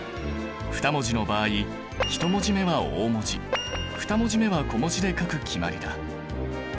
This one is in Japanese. ２文字の場合１文字目は大文字２文字目は小文字で書く決まりだ。